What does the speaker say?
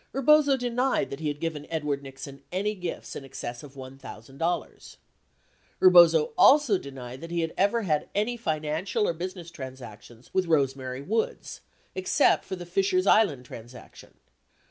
59 Rebozo denied that he had given Edward Nixon any gifts in excess of $1,000.®° Rebozo also denied that he ever had any financial or business transactions with Rose Mary Woods except for the Fisher's Island transaction.